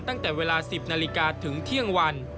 ตั้งแต่เวลา๑๐นาฬิกาถึงเที่ยงวัน